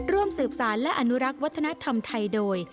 ร่วมสืบสารและอนุรักษ์วัฒนธรรมไทยโดย